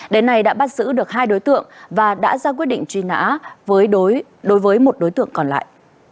đến nay đã bắt giữ được hai đối tượng và đã ra quyết định truy nã đối với một đối tượng còn lại